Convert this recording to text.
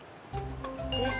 よし。